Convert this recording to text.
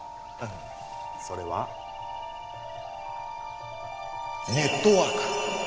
それはネットワーク。